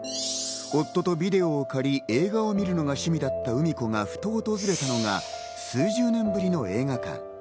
夫とビデオを借り、映画を見るのが趣味だったうみ子がふと訪れたのが数十年ぶりの映画館。